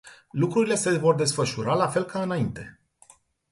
Lucrurile se vor desfășura la fel ca înainte.